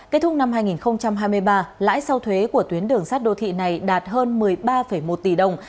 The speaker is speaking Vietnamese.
kết thúc năm hai nghìn hai mươi ba lãi sau thuế của tuyến đường sát đô thị này đạt hơn một mươi ba một tỷ đồng